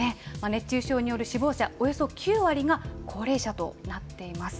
熱中症による死亡者、およそ９割が高齢者となっています。